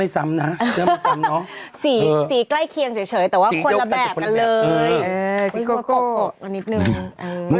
สีใกล้เคียงเฉยแต่ว่าคนละแบบกันเลย